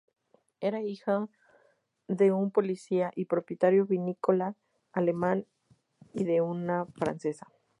Era hijo de un policía y propietario vinícola alemán y de una francesa.